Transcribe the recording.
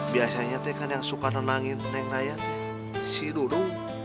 biasanya kan yang suka nenangin neng raya sih dulu